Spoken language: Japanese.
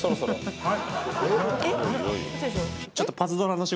はい。